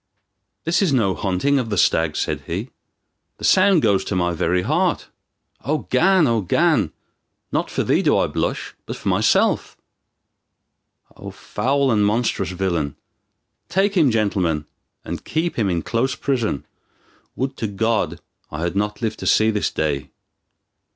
"This is no hunting of the stag," said he. "The sound goes to my very heart. O Gan! O Gan! Not for thee do I blush, but for myself. O foul and monstrous villain! Take him, gentleman, and keep him in close prison. Would to God I had not lived to see this day!"